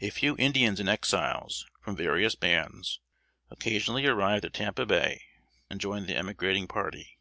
A few Indians and Exiles, from various bands, occasionally arrived at Tampa Bay, and joined the emigrating party.